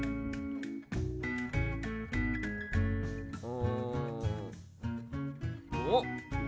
うんおっ。